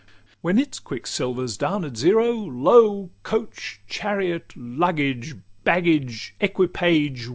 XLIV When its quicksilver's down at zero, lo Coach, chariot, luggage, baggage, equipage!